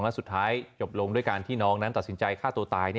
และสุดท้ายจบลงด้วยการที่น้องนั้นตัดสินใจฆ่าตัวตาย